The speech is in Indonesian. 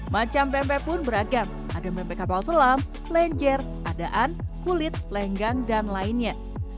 macam bempek pun beragam ada pempek kapal selam lenjer adaan kulit lenggang dan lainnya